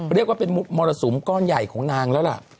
เรียกว่าเป็นมรสุมก้อนใหญ่ของนางแล้วล่ะ